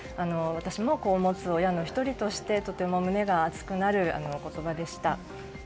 私も子を持つ親の１人としてとても胸が熱くなるお言葉でした。